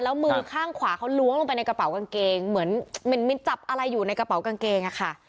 แล้วมือข้างขวาเขาล้วงลงไปในกระเป๋ากางเกงเหมือนมีจับอะไรอยู่ในกระเป๋ากางเกงอะค่ะ